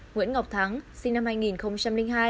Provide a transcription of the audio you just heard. nguyễn ngọc thắng sinh năm hai nghìn hai